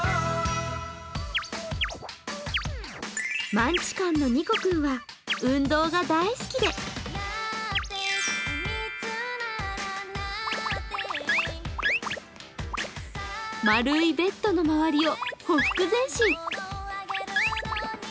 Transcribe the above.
マンチカンのにこくんは運動が大好きで丸いベッドの周りをほふく前進。